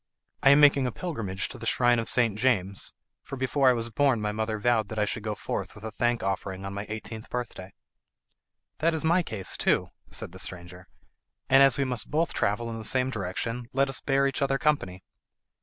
"I am making a pilgrimage to the shrine of St. James, for before I was born my mother vowed that I should go forth with a thank offering on my eighteenth birthday." "That is my case too," said the stranger, "and, as we must both travel in the same direction, let us bear each other company."